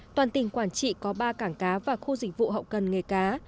toàn tỉnh quảng trị có ba cảng cá và khu dịch vụ hậu cần nghề cá